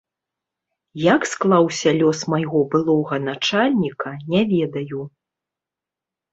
Як склаўся лёс майго былога начальніка, не ведаю.